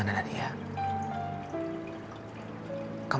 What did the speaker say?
itu tanpa hakim